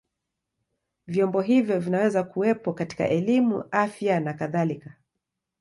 Vyombo hivyo vinaweza kuwepo katika elimu, afya na kadhalika.